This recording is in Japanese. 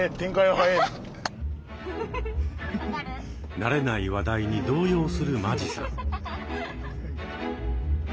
慣れない話題に動揺する間地さん。